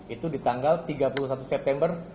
itu di tanggal tiga puluh satu september dua ribu enam belas